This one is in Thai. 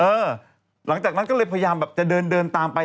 หลังจากนั้นก็เลยพยายามแบบจะเดินเดินตามไป